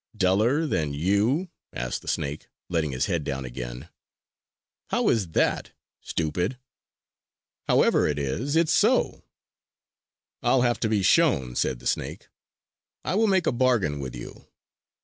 "Duller than you?" asked the snake, letting his head down again. "How is that, stupid?" "However it is, it's so!" "I'll have to be shown!" said the snake. "I will make a bargain with you.